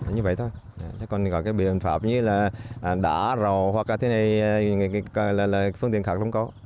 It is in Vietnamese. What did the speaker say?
như vậy thôi chứ còn có cái biện pháp như là đá rò hoặc là thế này là phương tiện khác không có